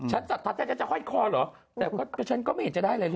สัทธาแทบจะห้อยคอเหรอแต่ฉันก็ไม่เห็นจะได้อะไรเลย